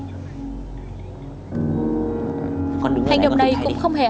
con định ngồi chờ mẹ